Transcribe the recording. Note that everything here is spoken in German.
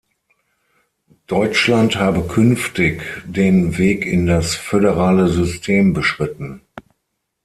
Deutschland habe künftig den Weg in das föderale System beschritten.